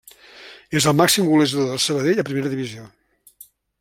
És el màxim golejador del Sabadell a primera divisió.